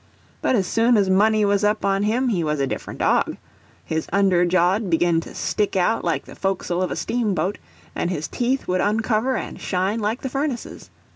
But as soon as money was up on him he was a different dog; his under jaw'd begin to stick out like the fo' castle of a steamboat, and his teeth would uncover and shine like the furnaces.